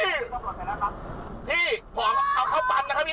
พี่พี่พอเข้าปันนะครับพี่ปิดปันนะค่ะนะครับ